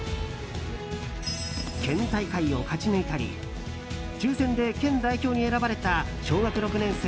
県大会を勝ち抜いたり抽選で県代表に選ばれた小学６年生